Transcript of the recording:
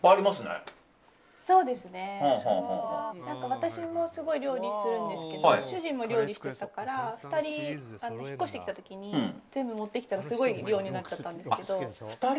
私もすごい料理するんですけど主人も料理してたから２人引っ越してきた時に全部持ってきたらすごい量になっちゃったんです。